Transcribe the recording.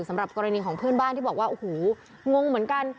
สำหรับกรณีของเพื่อนบ้านที่บอกว่าโอ้โหงงเหมือนกัน